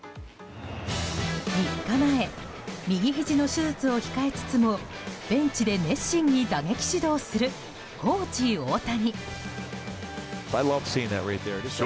３日前右ひじの手術を控えつつもベンチで熱心に打撃指導するコーチ大谷。